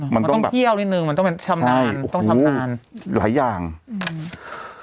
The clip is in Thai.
มันต้องเที่ยวนิดนึงมันต้องเป็นชำนาญต้องชำนาญหลายอย่างอืม